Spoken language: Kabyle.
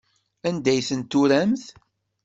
Anda ay ten-turamt?